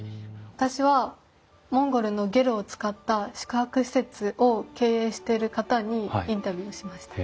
私はモンゴルのゲルを使った宿泊施設を経営してる方にインタビューをしました。